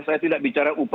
saya tidak bicara upah